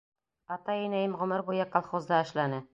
Атай-инәйем ғүмер буйы колхозда эшләне.